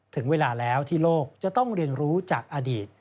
ถึงเวลาแล้วที่โลกจะต้องเรียนรู้จากอดีต